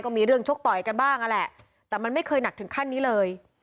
มีเรื่องชกต่อยกันบ้างนั่นแหละแต่มันไม่เคยหนักถึงขั้นนี้เลย